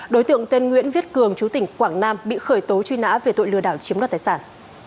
đối tượng tên nguyễn viết cường chú tỉnh quảng nam bị khởi tố truy nã về tội lừa đảo chiếm đoạt tài sản